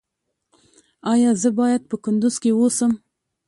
ایا زه باید په کندز کې اوسم؟